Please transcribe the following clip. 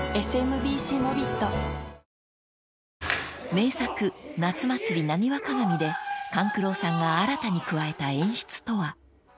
［名作『夏祭浪花鑑』で勘九郎さんが新たに加えた演出とは］